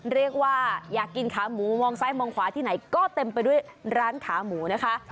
เรียกว่าอยากกินขาหมูมองซ้ายมองขวาที่ไหนก็เต็มไปด้วยร้านขาหมูนะคะ